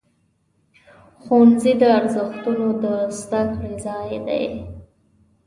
ښوونځی د ارزښتونو د زده کړې ځای دی.